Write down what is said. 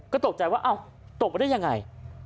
ก็ตกใจว่าอ้าวตกไปได้ยังไง